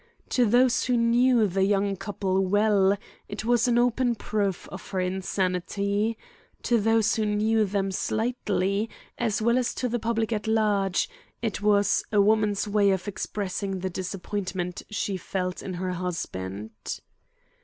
To those who knew the young couple well it was an open proof of her insanity; to those who knew them slightly, as well as to the public at large, it was a woman's way of expressing the disappointment she felt in her husband.